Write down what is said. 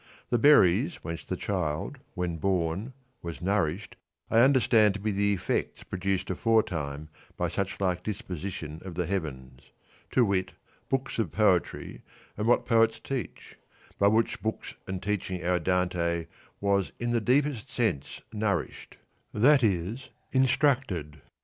The berries whence the child, when born, was nourished I understand to be the effects produced aforetime by such like disposition of the heavens ; to wit books of poetry and what poets teach, by which books and teaching our Dante was in the deepest sense nourished, that is instructed.